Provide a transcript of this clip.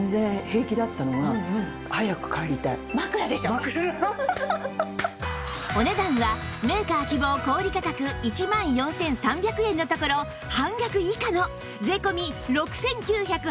こうしてお値段はメーカー希望小売価格１万４３００円のところ半額以下の税込６９８０円